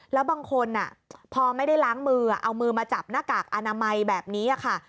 แล้วบางคนพอไม่ได้ล้างมือเอามือมาจับหน้ากากอนามัยแบบนี้ค่ะ